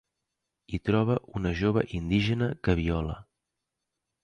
Hi troba una jove indígena que viola.